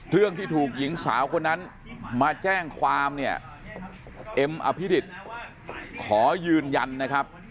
เรื่องที่ถูกหญิงสาวคนนั้นมาแจ้งความเนี่ยเอ็มอภิดิษฐ์ขอยืนยันนะครับ